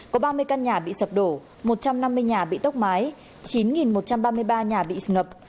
có ba mươi căn nhà bị sập đổ một trăm năm mươi nhà bị tốc mái chín một trăm ba mươi ba nhà bị ngập